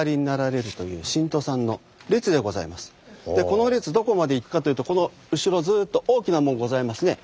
この列どこまでいくかというとこの後ろずっと大きな門ございますね。